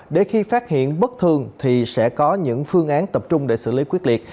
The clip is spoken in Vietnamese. để khi phát hiện bất thường thì sẽ có những phương án tập trung để xử lý quyết liệt